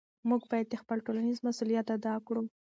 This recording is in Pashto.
موږ باید خپل ټولنیز مسؤلیت ادا کړو.